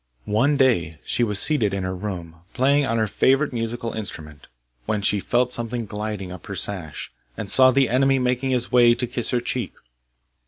One day she was seated in her room, playing on her favourite musical instrument, when she felt something gliding up her sash, and saw her enemy making his way to kiss her cheek.